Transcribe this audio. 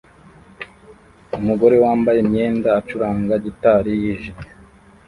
umugore wambaye imyenda acuranga gitari yijimye